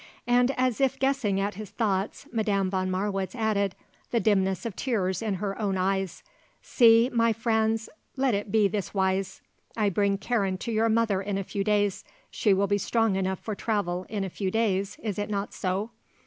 And as if guessing at his thoughts Madame von Marwitz added, the dimness of tears in her own eyes: "See, my Franz, let it be in this wise. I bring Karen to your mother in a few days; she will be strong enough for travel in a few days, is it not so?